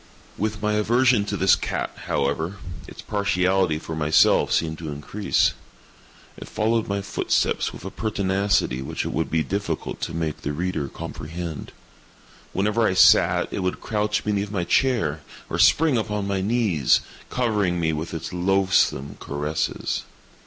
With my aversion to this cat, however, its partiality for myself seemed to increase. It followed my footsteps with a pertinacity which it would be difficult to make the reader comprehend. Whenever I sat, it would crouch beneath my chair, or spring upon my knees, covering me with its loathsome caresses.